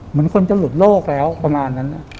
เหมือนคนจะหลุดโลกแล้วประมาณนั้น